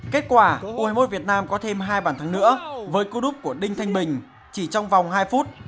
kết quả u hai mươi một việt nam có thêm hai bàn thắng nữa với cú đúc của đinh thanh bình chỉ trong vòng hai phút